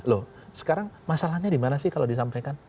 loh sekarang masalahnya di mana sih kalau disampaikan